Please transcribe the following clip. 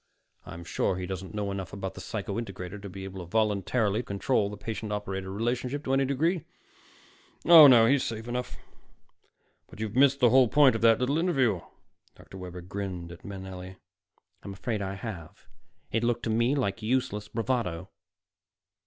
I'm sure he doesn't know enough about the psycho integrator to be able voluntarily to control the patient operator relationship to any degree. Oh, no, he's safe enough. But you've missed the whole point of that little interview." Dr. Webber grinned at Manelli. "I'm afraid I have. It looked to me like useless bravado."